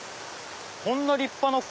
こんな立派な鯉